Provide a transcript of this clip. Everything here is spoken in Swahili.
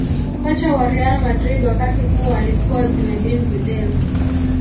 kocha wa real madrid wakati huo alikuwa zinedine zidane